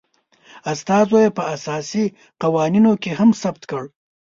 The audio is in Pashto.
استازو یي په اساسي قوانینو کې هم ثبت کړ